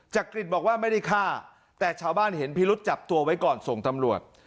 จักริตบอกว่าไม่ได้ฆ่าแต่ชาวบ้านเห็นพิรุษจับตัวไว้ก่อนส่งตำรวจ